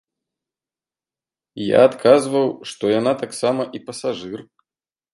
Я адказваў, што яна таксама і пасажыр.